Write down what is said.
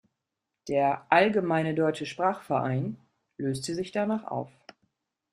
Der "Allgemeine Deutsche Sprachverein" löste sich danach auf.